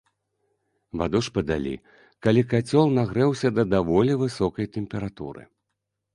Ваду ж падалі, калі кацёл нагрэўся да даволі высокай тэмпературы.